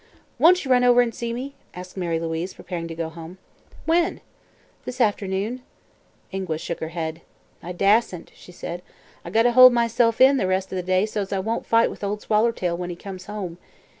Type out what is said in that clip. "Won't you run over and see me?" asked Mary Louise, preparing to go home. "When?" "This afternoon." Ingua shook her head. "I dastn't," she said. "I gotta hold myself in, the rest o' the day, so's I won't fight with Ol' Swallertail when he comes home.